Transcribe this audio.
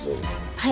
はい。